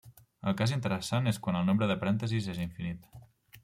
El cas interessant és quan el nombre de parèntesis és infinit.